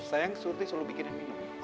sayang suti selalu bikin yang minum